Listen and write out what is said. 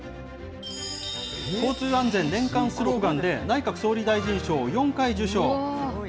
交通安全年間スローガンで、内閣総理大臣賞を４回受賞。